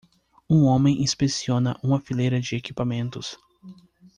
Um homem inspeciona uma fileira de equipamentos.